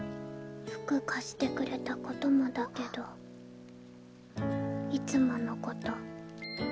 服貸してくれたこともだけどいつものこと。